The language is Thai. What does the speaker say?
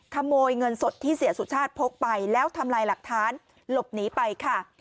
ขโมยเงินสดที่เสียสุชาติพกไปแล้วทำลายหลักฐานหลบหนีไปค่ะ